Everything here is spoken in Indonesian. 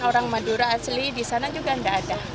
orang madura asli di sana juga tidak ada